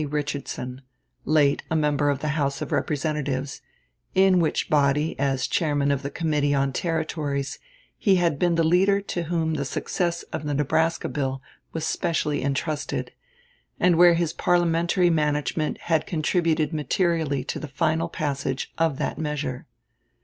Richardson, late a member of the House of Representatives, in which body as chairman of the Committee on Territories he had been the leader to whom the success of the Nebraska bill was specially intrusted, and where his parliamentary management had contributed materially to the final passage of that measure.